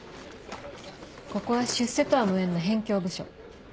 ここは出世とは無縁の辺境部署。